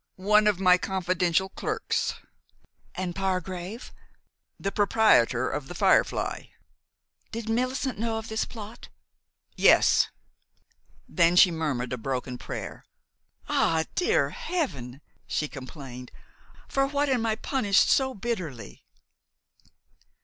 "One of my confidential clerks." "And Pargrave?" "The proprietor of 'The Firefly.'" "Did Millicent know of this plot?" "Yes." Then she murmured a broken prayer. "Ah, dear Heaven!" she complained, "for what am I punished so bitterly?"